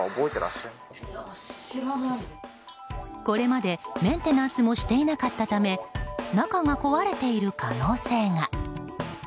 これまでメンテナンスもしていなかったため中が壊れている可能性が。